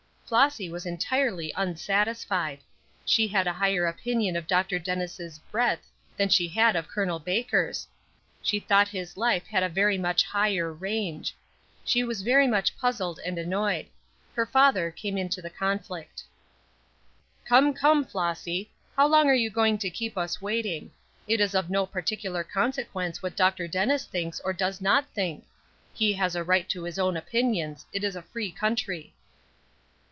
Flossy was entirely unsatisfied. She had a higher opinion of Dr. Dennis' "breadth" than she had of Col. Baker's; she thought his life had a very much higher range; she was very much puzzled and annoyed. Her father came into the conflict: "Come, come, Flossy, how long are you going to keep us waiting? It is of no particular consequence what Dr. Dennis thinks or does not think. He has a right to his own opinions. It is a free country."